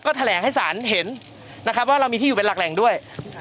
แถลงให้ศาลเห็นนะครับว่าเรามีที่อยู่เป็นหลักแหล่งด้วย